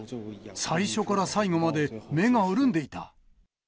最初から最後まで目が潤んでいた。